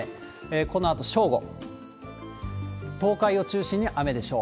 このあと正午、東海を中心に雨でしょう。